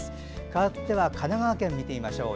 かわっては神奈川県見てみましょう。